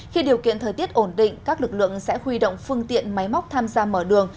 khi điều kiện thời tiết ổn định các lực lượng sẽ huy động phương tiện máy móc tham gia mở đường